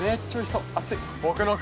熱い！